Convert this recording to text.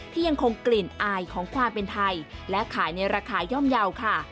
ยังคงกลิ่นอายของความเป็นไทยและขายในราคาย่อมเยาว์ค่ะ